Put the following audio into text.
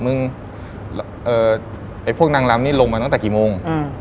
มึงไอ้พวกนางลำนี่ลงมาตั้งแต่กี่โมง